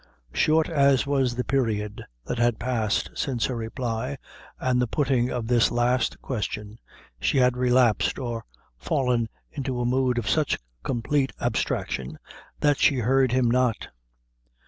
Short as was the period that had passed since her reply and the putting of this last question, she had relapsed or fallen into a mood of such complete abstraction, that she heard him not.